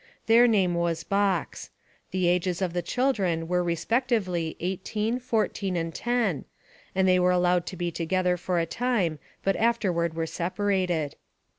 Their name was Boxx. The ages of the children were respectively eighteen, fourteen, and ten, and they were allowed to be together for a time, but afterward were separated.